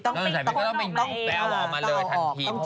ต้องเอาออกต้องจับให้ถูก